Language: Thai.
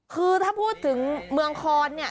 คือถ้าพูดถึงเมืองคอนเนี่ย